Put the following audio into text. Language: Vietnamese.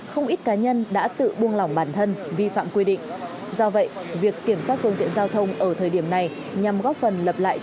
hộ nghèo và cận nghèo được nhận hỗ trợ trước